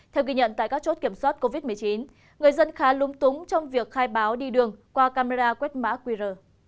theo ghi nhận tại các chốt kiểm soát covid một mươi chín người dân khá lúng túng trong việc khai báo đi đường qua camera quét mã qr